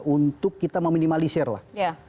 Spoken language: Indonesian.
untuk kita meminimalisir lah